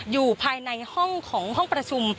อยู่ภายในห้องของห้องประชุม